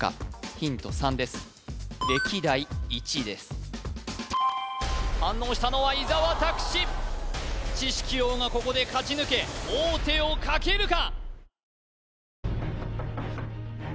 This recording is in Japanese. ヒント３です反応したのは伊沢拓司知識王がここで勝ち抜け王手をかけるか？